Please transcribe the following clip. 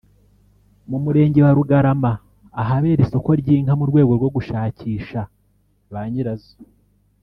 mu Murenge wa Rugarama ahabera isoko ry’inka mu rwego rwo gushakisha ba nyirazo